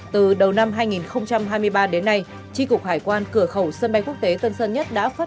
từ đầu năm hai nghìn hai mươi ba đến nay tri cục hải quan cửa khẩu sân bay quốc tế tân sơn nhất đã phát